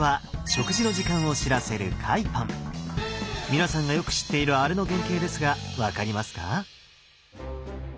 皆さんがよく知っているあれの原型ですが分かりますか？